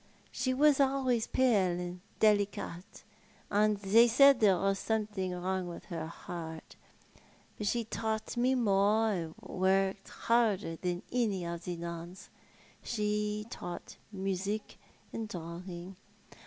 She was always j)ale and delicate, and they said that there was something wrong with her heart ; but she taught more and worked harder than any of the nuns. She taught music and drawing.